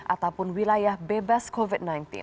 ataupun wilayah bebas covid sembilan belas